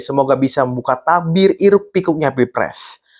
semoga bisa membuka tabir iruk pikuknya pilpres